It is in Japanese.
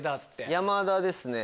山田ですね。